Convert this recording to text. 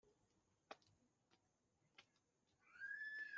ba cyubahiro bahenga inka zishotse